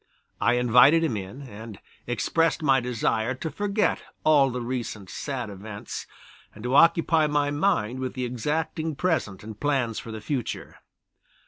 I invited him in, and expressed my desire to forget all the recent sad events, and to occupy my mind with the exacting present and plans for the future.